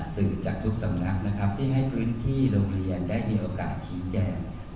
สื่อจากทุกสำนักนะครับที่ให้พื้นที่โรงเรียนได้มีโอกาสชี้แจง